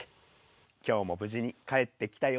今日も無事に帰ってきたよ。